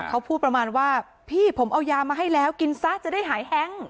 เขาพูดประมาณว่าพี่ผมเอายามาให้แล้วกินซะจะได้หายแฮ้ง